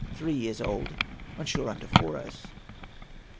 Three years old ; on shore under Fouras.